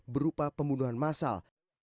berupa pembunuhan massal